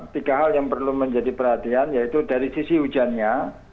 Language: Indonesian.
tiga hal yang perlu menjadi perhatian yaitu dari sisi hujannya